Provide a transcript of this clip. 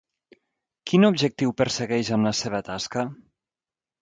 Quin objectiu persegueix amb la seva tasca?